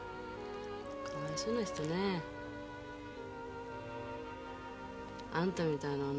かわいそうな人ねあんたみたいな女